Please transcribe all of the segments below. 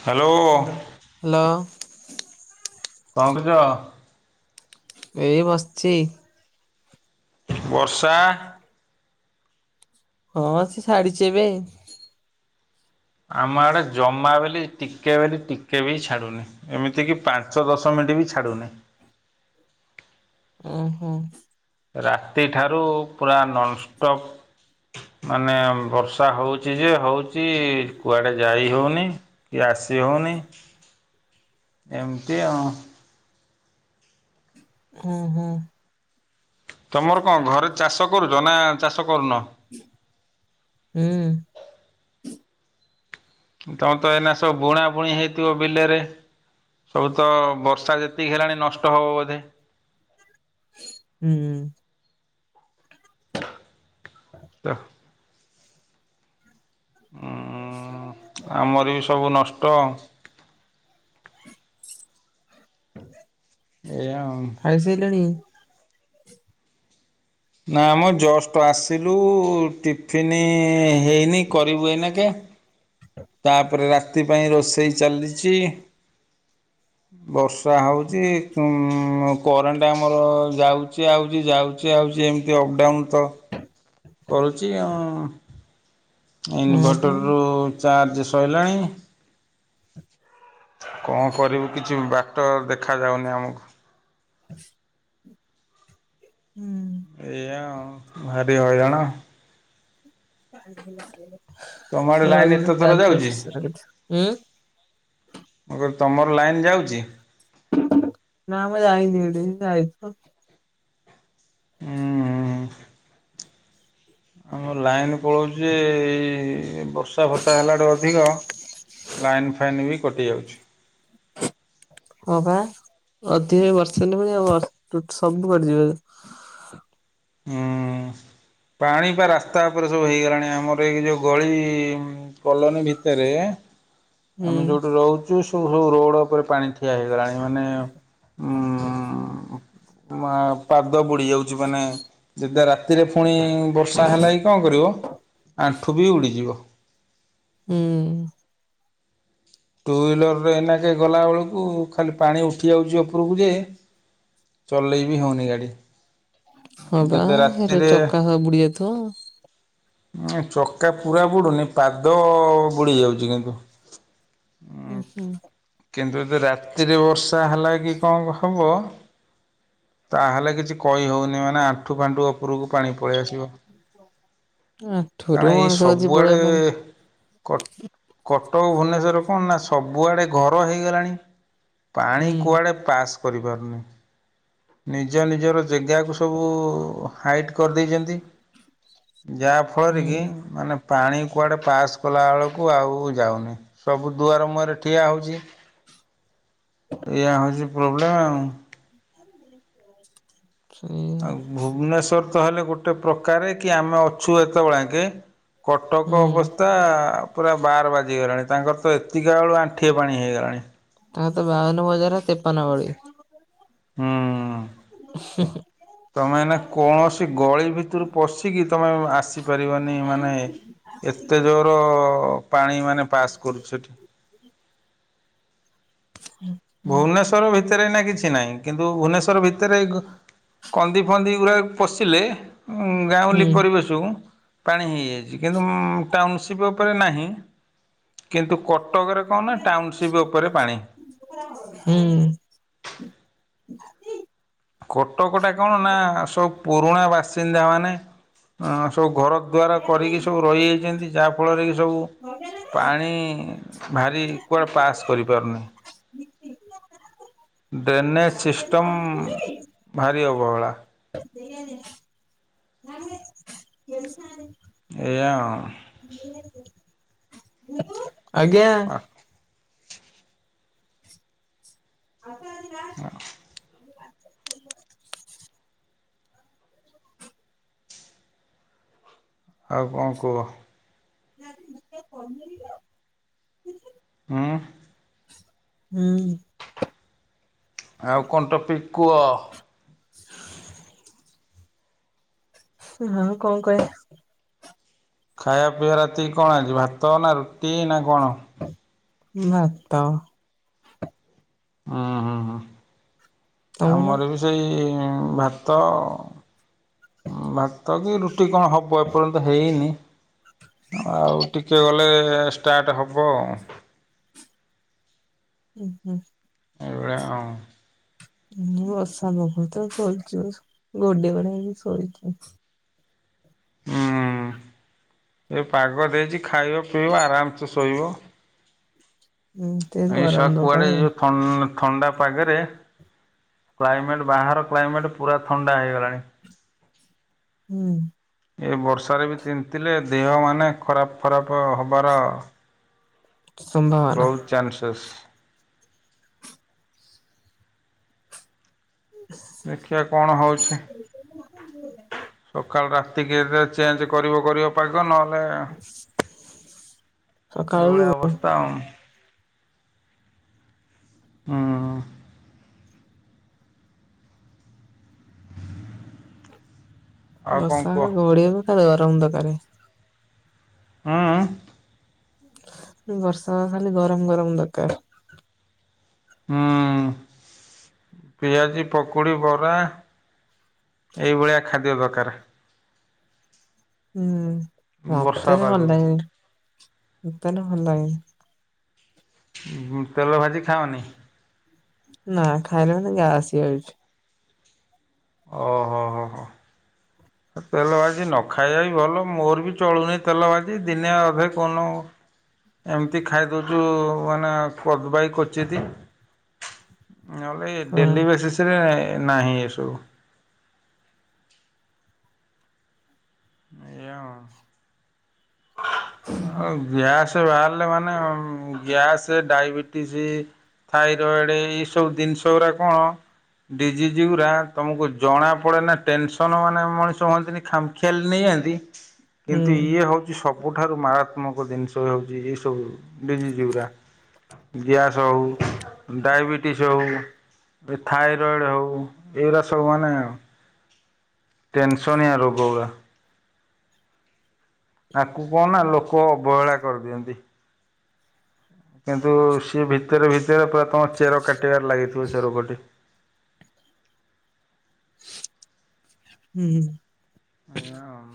Hello hall hello. କଣ କରୁଚ? ଏଇ ବସିଛି। ବର୍ଷା। ହଁ ସେ ଛାଡିଛି ଏବେ। ଆମ ଆଡେ ଜମା ବେଲି ଟିକେ ବେଲି ଟିକେ ବି ଛାଡୁନି। ଏମିତି କି ପାଞ୍ଚ ଦଶ ମିନିଟ୍ ବି ଛାଡୁନି। ଉ ହୁଁ। ରାତିଠାରୁ ପୁରା ନନ୍ଷ୍ଟପ୍ ମାନେ ବର୍ଷା ହଉଚି ଯେ ହଉଚି କୁଆଡେ ଯାଇ ହଉନି। ଆସି ହେଉନି ଏମିତି ଆଉ। ହୁଁ ହୁଁ। ତମର କଣ ଘରେ ଚାଷ କରୁଛ ନା ଚାଷ କରୁନ? ହୁଁ। ତମର ତ ଏଇନା ସବୁ ବୁଣା ବୁଣି ହେଇଥିବ ବିଲରେ? ସବୁ ତ ବର୍ଷା ଯେତିକି ହେଲାଣି ନଷ୍ଟ ହେବ ବୋଧେ। ହୁଁ। [inaudible] [unintelligible] ଉ ଆମର ବି ସବୁ ନଷ୍ଟ ଆଉ। ଏୟା ଆଉ। ଖାଇସାରିଲଣି? ନା ମ ଜଷ୍ଟ ଆସିଲୁ ଟିଫିନ୍ ହେଇନି କରିବୁ ଏଇନା କେ। ତାପରେ ରାତି ପାଇଁ ରୋଷେଇ ଚାଲିଚି ବର୍ଷ ବର୍ଷା ହେଉଛିକୁମ କରେଣ୍ଟ ଆମର ଯାଉଛି ଆଉଛି ଯାଉଛି ଆଉଛି ଏମିତି ଅପଡ଼ାଉନ୍ ତ କରୁଛି ଆଉ ହଁ ପା ଇନ୍ଭେଟରରୁୁ ଚାର୍ଜ ସରିଲାଣି। କଣ କରିବୁ କିଛି ବାଟ ଦେଖା ଯାଉନି ଆମକୁ। [inaudible] ହୁଁ। ଏଇଆ ଆଉ ଭାରି ହଇରାଣ। ତମ ଆଡେ ଲାଇନ ଏତେ ଥର ଯାଉଛି? [unintelligible] ମୁଁ କହିଲି ତମର ଲାଇନ୍ ଯାଉଛି। ନା ମୁଁ ଜାଣିନି। [unintelligible] ସେତ ଆଇଥବ। ହୁଁ ହୁଁ। ଆମ ଲାଇନ୍ ପଳଉଛି ଜେ ବର୍ଷା ଫର୍ଷା ହେଲାଠୁ ଅଧିକ। ଲାଇନ୍ ଫାଇନ୍ ବି କଟିଯାଉଛି। ହଁ ବା ଅଧିକ ବର୍ଷା। [unintelligible] ହୁଁ। ପାଣି ପା ରାସ୍ତା ଉପରେ ସବୁ ହେଇଗଲାଣି ଆମର ଏଇ ଯୋଉ ଗଳି କଲୋନୀ ଭିତେରେ ହୁଁ ଆମେ ଯୋଉଠି ରହୁ- ଚୁ ସବୁ ସବୁ ରୋଡ଼ ଉପରେ ପାଣି ଠିଆ ହେଇଗଲାଣି ମାନେ ଉଁ ଉଁ ଉଁ ଉଁ ମା ପାଦ ବୁଡ଼ି ଯାଉଚି ମାନେ ଯେନ୍ତିଆ ରାତିରେ ଫୁଣି ଇଁ ବର୍ଷା ହେଲା କିି କଣ କରିବ ଆଣ୍ଠୁ ବି ଉଡ଼ିଯିବ। ଉଁ ଟୁହିଲର ରେ ଏଇନା ଜେ ଗଲାବଳକୁ ଖାଲି ପାଣି ଉଠି ଯାଉଚି ଓପରୁକୁ ଯେ ଚଲେଇ ବି ହଉନି ଗାଡ଼ି। ହଁ ବା ଯଦି ହେରା ରାତିରେ ଚକା ସହ ବୁଡ଼ି ଯାଉଥୁବ। ନାଇଁ ଚକା ପୁରା ବୁଡ଼ୁନି ପାଦ ଅ ଅ ଅ ବୁଡ଼ି ଯାଉଚି କିନ୍ତୁ। ଉଁ ହୁଁ କିନ୍ତୁ ଯଦି ରାତିରେ ବର୍ଷା ହେଲା କି କଣ ହବ ତାହେଲେ କିଛି କହିହଉନି ମାନେ ଆଣ୍ଠୁ ଫାଣ୍ଠୁ ଓପୁରୁକୁ ପାଣି ପଳେଇ ଆସିବ। କାରଣ ଏଠୁରୁ ମଣିଷ ଆଜି ପଳେଇବା ପାଣି କଟ କଟକ ଭୁବନେଶ୍ୱର କଣ ନା ସବୁଆଡ଼େ ଘର ହେଇଗଲାଣି। ପାଣି ହୁଁ କୁଆଡେ ପାସ୍ କରିପାରୁନି ନିଜ ନିଜର ଜେଗାକୁ ସବୁ ଉ ଉ ହାଇଟ୍ କରିଦେଇଚନ୍ତି ଯାହା ଫଳରେକି ହୁଁ ମାନେ ପାଣି କୁଆଡ଼େ ପାସ୍ କଲାବେଳକୁ ଆଉ ଯାଉନି ସବୁ ଦୁଆର ମୁହଁରେ ଠିଆ ହଉଚି। ଏଇୟା ହଉଚି ପ୍ରୋବ୍ଲେମ ଆଉ। ସେଇଆ। ଆଉ ଭୁବନେଶ୍ୱର ତ ହେଲେ ଗୋଟେ ପ୍ରକାରେ କି ଆମେ ଅଛୁ ଏତବଳେ ଆଙ୍କେ କଟକ ହୁଁ ଅବସ୍ଥା ଆ ଆ ପୁରା ବାର୍ ବାଜିଗଲାଣି ତାଙ୍କର ତ ଏତିକା ବେଳୁ ଆଣ୍ଠିଏ ପାଣି ହେଇଗଲାଣି। ତାଙ୍କର ତ ବାଉନୁ ବଜାର ତେପନ ଗଳି। ହୁଁ। ହ ତମେ ଏଇନା କୌଣସି ଗଳି ଭିତରୁ ପଶିକି ତମେ ଆଉ ଆସିପାରିବନି ମାନେ ଏତେ ଜୋର ଅ ଅ ଅ ପାଣି ମାନେ ପାସ୍ କରୁଚି ସେଠି। ହୁଁ ଭୁବନେଶ୍ଵର ଭିତେରେ ଏଇନା କିଛି ନାଇଁ କିନ୍ତୁ ଭୁବନେଶ୍ଵର ଭିତେରେ ଗ କନ୍ଦି ଫନ୍ଦି ଗୁରାକୁ ଉଁ ଉଁ ପଶିଲେ ଗାଁଉଲି ପରିବେଶୁକୁ ପାଣି ହେଇଯାଇଚି କିନ୍ତୁ ମ୍ ମ୍ ଟାଉନସିପ୍ ଓପରେ ନାହିଁ କିନ୍ତୁ କଟକରେ କଣ ନା ଟାଉନସିପ୍ ଓପରେ ପାଣି। ହୁଁ। କଟକ ଟା କଣ ନା ସବୁ ପୁରୁଣା ବାସିନ୍ଦା ମାନେ ଅଁ ସବୁ ଘର ଦ୍ୱାର କରିକି ସବୁ ରହିଯାଇଚନ୍ତି ଯାହା ଫଳରେ କି ସବୁ ହଁ ଯା ପାଣି ଭାରି କୁଆଡ଼େ ପାସ୍ କରିପାରୁନି। ଡ୍ରେନେଜ ସିଷ୍ଟମ୍ ଭାରି ଅବହେଳା। ଦେଇଆ ଦେଇଆ। ନାହିଁ ବେ। [unintelligible] ଏଇଆ ଆଉଁ। ହୁଁ ନେବୁ ଆଜ୍ଞା ଆଉ ଆସ ଆଜିବା ହଁ ଆଉ କଣ କୁହ। ଆଉ [unintelligible] କି ହଁ ହୁଁ ଆଉ କଣ ଟପିକ୍ କୁହ। [inaudible] ହଁ କଣ କହିବା। ଖାଇବା ପିଇବା ରାତି କଣ ଆଜି ଭାତ, ନା ରୁଟି ନା କଣ? ଭାତ। ହଁ ହଁ- ହଁ ତମର ଆମର ବି ସେଇ ଭାତ ଭାତ କି ରୁଟି କଣ ହବ ଏପର୍ଯ୍ୟନ୍ତ ହେଇନି। ଆଉ ଟିକେ ଗଲେ ଷ୍ଟାର୍ଟ ହବ ଆଉ। ଉଁ ହୁଁ। ଏଇଭଳିଆ ଆଉ ବର୍ଷା ପକଉଛି ତୋ ସୋଇଛୁ ଘୋଡେଇ ଘୁଡ଼ା ହେଇକି ଶୋଇଛି। ହୁଁ -ଏ ପାଗ ଦେଇଛି ଖାଇବ ପିଇବ ଆରାମସେ ଶୋଇବ। ହୁଁ ଟିକେଗରମ ଦରକାରେ। ଥନ୍‌ ଥଣ୍ଡା ପାଗରେ କ୍ଲାଇମେଟ ବାହାର କ୍ଲାଇମେଟ ପୁରା ଥଣ୍ଡା ହେଇଗଲାଣି। ହୁଁ। ଏ ବର୍ଷାରେ ବି ଚିନ୍ତିଲେ ଦେହ ମାନେ ଖରାପ୍ ଖରାପ୍ ହବାର ସମ୍ଭାବନା ବହୁତ୍ ଚାନ୍ସେସ୍। ଦେଖିଆ କଣ ହେଉଛି। ସକାଳ ରାତିକି ଚେଞ୍ଜ କରିବ କରିବ ପାଗ ନହେଲେ ସକାଳୁ ତଂ ହୁଁ - ହୁଁ - ଆଉ କଣ କୁହ? ବର୍ଷାଙ୍କୁ ଘୋଡେଇବୁ ଖାଲି ଗରମ ଦରକାର। ହଁ ବର୍ଷା କୁ ଖାଲି ଗରମ ଗରମ ଦରକାର। ହୁଁ ପିଆଜି ପକୁଡ଼ି ବରା, ଏଇଭଳିଆ ଖାଦ୍ୟ ଦରକାର। ହୁଁ ବର୍ଷା ମତେରେ ଭଲ ଲାଗେ ପାଗକୁ ମତେରେ ଭଲ ଲାଗେନି ତେଲ ଭାଜି ଖାଅନି। ନା ଖାଇଲେ ମାନେ ଗ୍ୟାସ ହେଇ ଯାଉଛି। ଓହୋ ଓ ହଁ, ହଁ। ତେଲ ଭାଜି ନ ଖାଇବା ବି ଭଲ ମୋର ବି ଚଳୁନି ତେଲ ଭାଜି ଦିନେ ଅଧେ କୋଉଦିନ [inaudible] ଏମିତି ଖାଇଦଉଛୁ ମାନେ କଦବାଇ କୋଚିତ। ନହେଲେ ହଁ ଡେଲି ବେସିସ ରେ ନାହିଁ ଏସବୁ। ଏଇଆ ଉ ଆଉ ଗ୍ୟାସେ ବାହାରିଲେ ମାନେ ଗ୍ୟାସେ ଡାଇବେଟି ଟିସ ଥାଇରଏଡ ଏଇ ସବୁ ଦିନିଷ ଗୁରା କଣ ଡିଜିଜି ଉରା ତମୁକୁ ଜଣାପଡ଼େ ନା ଟେନସନ୍ ମାନେ ମଣିଷ ହୁଅନ୍ତିନି ଖାମଖିଆଲି ନେଇଯାଆନ୍ତି। ହୁଁ କିନ୍ତୁ ଇଏ ହଉଛି ସବ ଠାରୁ ମାରାତ୍ମକ ଦିନିଷ ହଉଛି ଏଇ ସବୁ ଡିଜିଜ୍ ଗୁରା। ଗ୍ୟାସ୍ ହଉ ଡାଇବେଟିସ୍ ହଉ ଏ ଥାଇରଏଡ଼ ହୋଉ, ଏଉରା ସବୁ ମାନେ ଆଉ ଟେନ୍ସନିଆ ରୋଗୋ ଉରା। ତାକୁ ଙ୍କ ନା ଲୋକୋ ଅବହେଳା କରିଦିଅନ୍ତି। କିନ୍ତୁ ସିଏ ଭିତେରେ ଭିତେରେ ପୁରା ତମ ଚେର କାଟିବାରେ ଲାଗିଥିବ ସେ ରୋଗଟି। ହୁଁ ଏଇଆ ଆଉ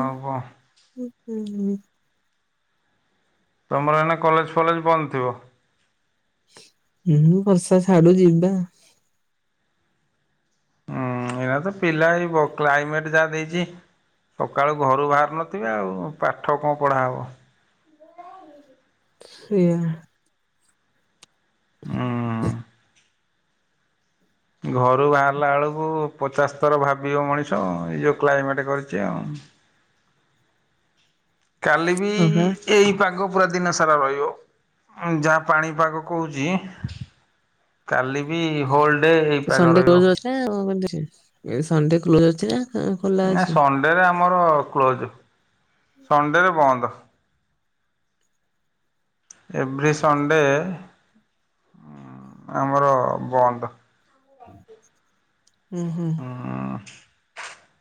ଆଉ କଣ ତମର ଏଇନା କଲେଜ୍ ଫଲେଜ୍ ବନ୍ଦ ଥିବ ହୁଁ ବର୍ଷା ଛାଡ଼ୁ ଯିବା। ହୁଁ ଏଇନା ତ ପିଲା ହେଇବ କ୍ଲାଇମେଟ ଯାହା ଦେଇଚି ସକାଳୁ ଘରୁ ଭାରୁ ନଥିବେ ଆଉ ପାଠ ଙ୍କ ପଢ଼ା ହବ ସେଇୟା। ହୁଁ [inaudible] ଘରୁ ଭାରିଲା ବେଳୁକୁ ପଚାଶ ଥର ଭାବିବ ମଣିଷ, ଏ ଯୋଉ କ୍ଲାଇମେଟ୍ କରିଚି ଆଉ। କାଲି ବି ହଁ ବା ଏଇ ପାଗ ପୁରା ଦିନସାରା ରହିବ, ଯାହା ପାଣିପାଗ କୋହୁଚି- କାଲି ବି ହୋଲଡ଼୍ ସନ୍ଡ଼େ କ୍ଲୋଜ ଅଛି ନା ଙ୍କ କେମିତି ଅଛି? ସନ୍ଡ଼େ କ୍ଲୋଜ ଅଛି ନା ଖୋଲା ଅଛି? ନାଇ ସଣ୍ଡେରେ ନା ଆମର କ୍ଲୋଜ୍ ସଣ୍ଡେ ରେ ବନ୍ଦ। ଏଭ୍ରି ସନ୍ଡ଼େ‌ ଆମର ବନ୍ଦ। ହୁଁ ହୁଁ। ଉ ହୁଁ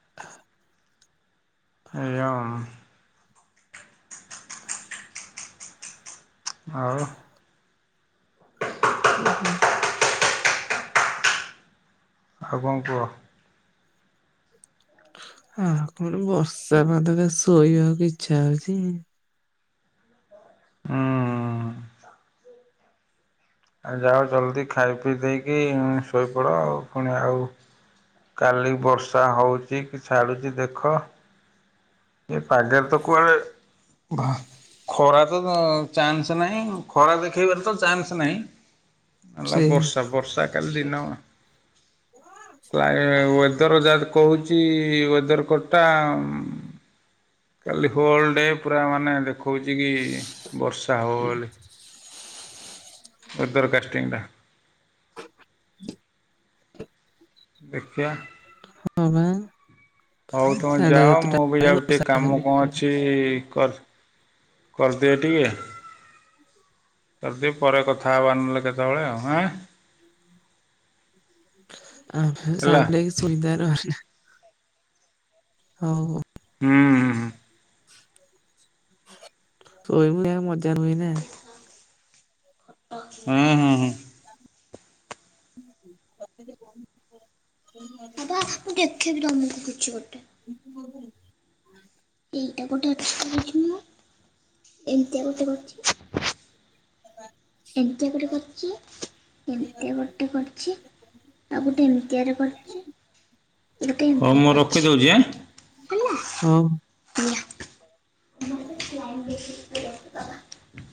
[inaudible] ଏଇଆ ଆଉ। ଆଉ ଓହୋ ଆଉ ଙ୍କ କୁହ ହ କଣ ବର୍ଷା ପାଧରେ ଶୋଇବାକୁ ଇଚ୍ଛା ହଉଛି। ହୁଁ। ଆଉ ଯାଅ ଜଲଦି ଖାଇ ପିଇ ଦେଇକି ଶୋଇପଡ଼ ଆଉ ପୁଣି ଆଉ, କାଲି ବର୍ଷା ହଉଛି କି ଛାଡ଼ୁଛି ଦେଖ। ଏ ପାଗେର ତ କୁଆଡେ଼--ଭ ଖରା ତ ଚାନ୍ସ ନାହିଁ, ଖରା ଦେଖେଇବାର ତ ଚାନ୍ସ ନାହିଁ। ନେ ସେଇଆ ବର୍ଷା ବର୍ଷା କାଲି ଦିନ ପ୍ରାଏ-ୱେ ୱେଦର ଯା କହୁଛି ୱେଦର କଟଟା, କାଲି ହୋଲ୍ ଡେ଼ ପୁରା ମାନେ ଦେଖୋଉଛି କି ବର୍ଷା ହବ ବୋଲି। ୱେଦର କାଷ୍ଟିଙ୍ଗ ଟା [inaudible] ଦେଖିଆ ହଁ ବା ହଉ ତମେ ସାଢେ ଯାଅ। ସାତଟା ମୁଁ ବି ହେଲାଣି ଯାଉଛି ବର୍ଷା ଟିକେ କାମ ଛାଡିନି କଣ ଏପର୍ଯ୍ୟନ୍ତ। ଅଛି କର କରିଦିଅ ଟିକେ। କରଦିଏ ପରେ କଥା ହବା ନହଲେ କେତେବେଳେ ଆଉ, ଆଁ। [inaudible] ହେଲା ଆଉଥରେ [unintelligible] ଶୋଇବାର ବାହାନା, ହଉ ହଉ। ହୁଁ। [unintelligible] ହୁଁ ହୁଁ ହୁଁ ହୁଁ। [unintelligible] ବାବା ଦେଖେଇଦଉନି କିଛି ଗୋଟେ। [inaudible] ଏଇଟା ଗୋଟେ [unintelligible] ଏମତିଆ ଗୋଟେ କରିଚି। ଏମତିଆ ଗୋଟେ କରିଛି। ଆଉ ଗୋଟେ ଏମିତିଆଟେ କରିଚି। ଗୋଟେ ଏମିତି, ହଉ ମୁଁ ରଖି ଦଉଛି ଆଁ। ହେଲା ହଉ। ଲାଇନ ବେଶୀ ପଳଉଚି ବାବା।